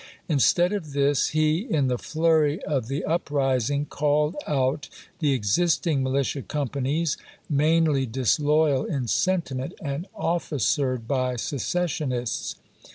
Instead of this, he, in the flurry of the uprising, called out the existing militia companies, mainly disloyal in sentiment and officered by secessionists.